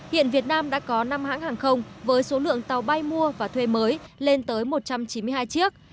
hiện việt nam đã có năm hãng hàng không với số lượng tàu bay mua và thuê mới lên tới một trăm chín mươi hai chiếc